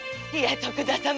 徳田様。